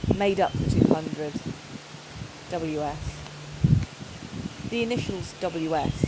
Made up the two hundred." W. S. The initials " W. S.